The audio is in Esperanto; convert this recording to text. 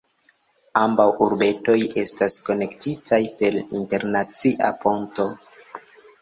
Ambaŭ urbetoj estas konektitaj per internacia ponto.